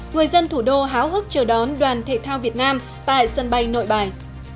người dân thủ đô háo hức chờ đón đoàn thể thao việt nam tại sân bay nội bài